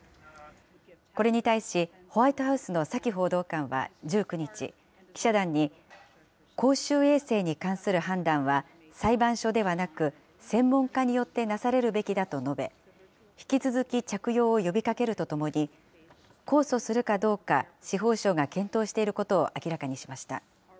これに対し、ホワイトハウスのサキ報道官は１９日、記者団に公衆衛生に関する判断は、裁判所ではなく、専門家によってなされるべきだと述べ、引き続き着用を呼びかけるとともに、控訴するかどうか、司法省が検討していることを明らかにしました。